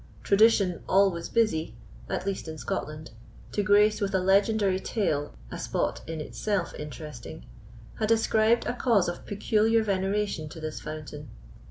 Tradition, always busy, at least in Scotland, to grace with a legendary tale a spot in itself interesting, had ascribed a cause of peculiar veneration to this fountain.